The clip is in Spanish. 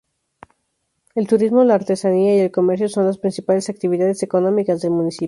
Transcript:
El turismo, la artesanía y el comercio son las principales actividades económicas del municipio.